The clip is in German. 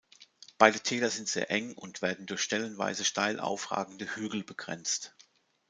Beide Täler sind sehr eng und werden durch stellenweise steil aufragende Hügel begrenzt.